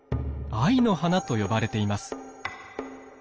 「藍の華」と呼ばれています。